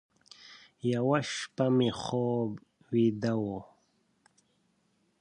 یوه شپه مې خوب ویده و،